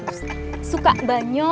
terus suka banyo